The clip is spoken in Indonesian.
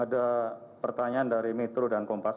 ada pertanyaan dari metro dan kompas